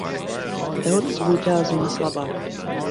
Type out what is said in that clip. Tev tas būtu jāzina vislabāk.